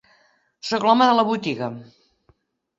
Soc l'home de la botiga.